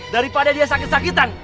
daripada dia sakit sakitan